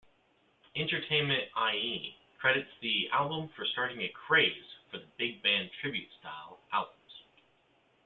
"Entertainment.ie" credits the album for starting a "craze" for big band tribute-style albums.